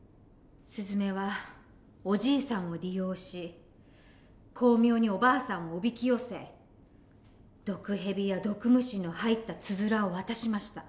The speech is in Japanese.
すずめはおじいさんを利用し巧妙におばあさんをおびき寄せ毒蛇や毒虫の入ったつづらを渡しました。